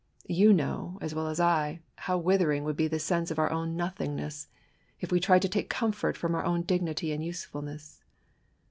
You know, as well as Iv'.how withering would be the sense of our own nothingness, if we tried to take comfort from our own dignity and usefulness.